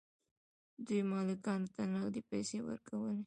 دوی مالکانو ته نغدې پیسې ورکولې.